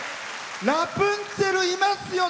ラプンツェルいますよ！